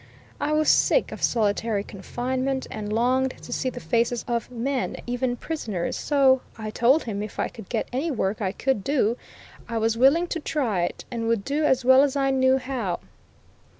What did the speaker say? I was sick of solitary confinement, and longed to see the faces of men, even prisoners: so I told him if I could get any work I could do I was willing to try it, and would do as well as I knew how.